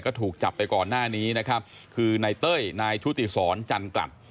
ก็ถูกจับไปก่อนหน้านี้นะครับคือนายเต้ยนายชุติศรจันกลัด